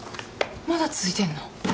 まだ続いてんの？